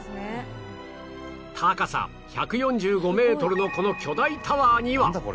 高さ１４５メートルのこの巨大タワーにはなんだ？